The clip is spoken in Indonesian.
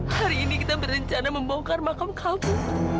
hari ini kita berencana membongkar makam kalku